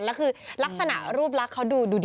แล้วคือลักษณะรูปลักษณ์เขาดูดี